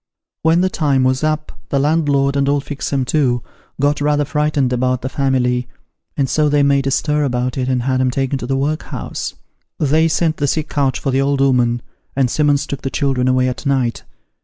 When the time was up, the landlord and old Fixem too, got rather frightened about the family, and so they made a stir about it, and had 'em taken to the workhouse. They sent the sick couch for the old 'ooman, and Simmons took the children away at night.